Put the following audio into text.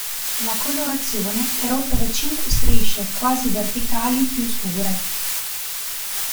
La colorazione è rotta da cinque strisce quasi verticali più scure.